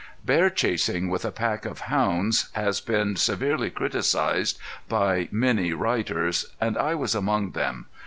Bear chasing with a pack of hounds has been severely criticised by many writers and I was among them.